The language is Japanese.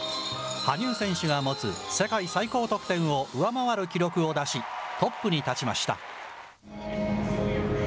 羽生選手が持つ世界最高得点を上回る記録を出し、トップに立ちました。